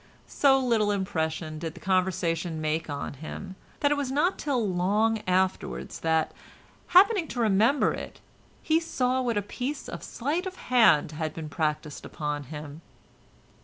So little impression did the conversation make on him, that it was not till long afterwards that, happening to remember it, he saw what a piece of sleight of hand had been practised upon him.